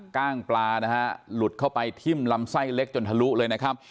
กล้างปลานะฮะหลุดเข้าไปทิ้มลำไส้เล็กจนทะลุเลยนะครับ